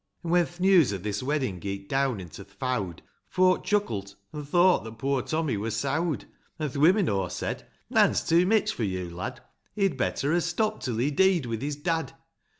VI. An' when th' news o' this weddin' geet down into th' fowd, Folk chuckle't an' thought that poor Tommy wur sowd ; An' th' women o' said, " Nan's to mich for yon lad ; He'd better ha' stopped till he dee'd wi' his dad."